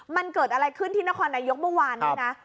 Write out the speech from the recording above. มันเกิดอะไรขึ้นที่นครนายกเมื่อวานด้วยนะ